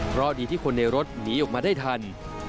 เพราะดีที่คนในรถหนีออกมาได้ทัน